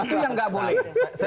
itu yang gak boleh